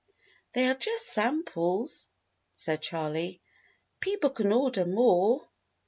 "They are just samples," said Charley. "People can order more."